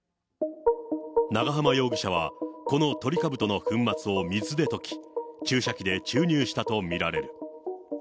長浜容疑者はこのトリカブトの粉末を水で溶き、注射器で注入したと見られる。